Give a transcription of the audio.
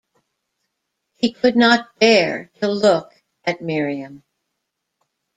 He could not bear to look at Miriam.